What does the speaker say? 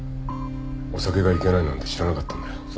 お酒がいけないなんて知らなかったんだよ。